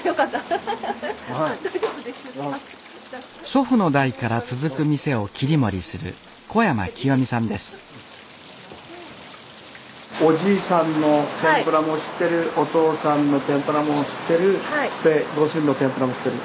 祖父の代から続く店を切り盛りするおじいさんの天ぷらも知ってるお父さんの天ぷらも知ってるでご主人の天ぷらも知ってる。